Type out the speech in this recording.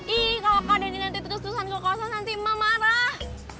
ih kalau kak denny nanti terus tusan ke kawasan nanti emak marah